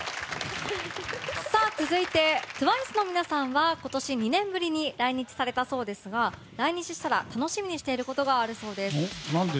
続いて、ＴＷＩＣＥの皆さんは今年、２年ぶりに来日されたそうですが来日したら楽しみにしてることがあるそうです。